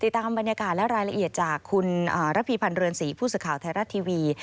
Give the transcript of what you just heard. ตามบรรยากาศและรายละเอียดจากคุณระพีพันธ์เรือนศรีผู้สื่อข่าวไทยรัฐทีวี